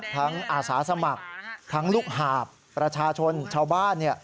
อาสาสมัครทั้งลูกหาบประชาชนชาวบ้าน